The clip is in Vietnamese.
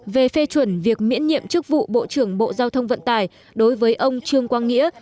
về phê chuẩn việc miễn nhiệm chức vụ bộ trưởng bộ giao thông vận tải đối với ông trương quang nghĩa